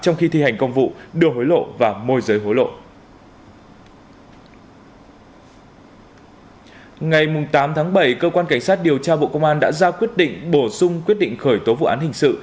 ngày tám tháng bảy cơ quan cảnh sát điều tra bộ công an đã ra quyết định bổ sung quyết định khởi tố vụ án hình sự